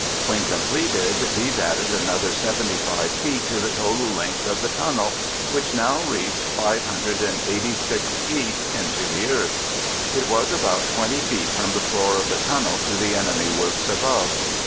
When completed, these added another 75 feet to the total length of the tunnel which now reached 586 feet into the earth. It was about 20 feet from the floor of the tunnel to the enemy works above.